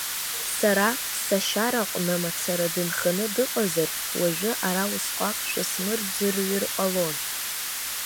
Сара сашьараҟны мацара дынханы дыҟазар, уажәы ара усҟак шәысмырӡырҩыр ҟалон.